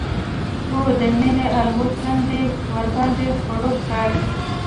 او د مینه والو تنده یې ورباندې خړوب کړه